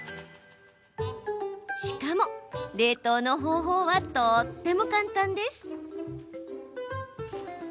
しかも、冷凍の方法はとっても簡単です。